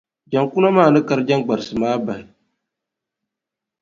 Jaŋkuno maa ni kari jaŋgbarisi maa m-bahi.